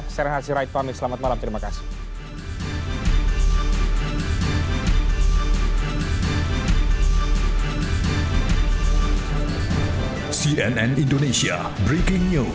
serahasi raid pamit selamat malam terima kasih